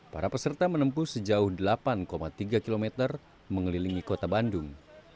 para peserta menempuh sejauh delapan tiga km mengelilingi kota bandung